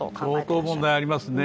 相当問題ありますね。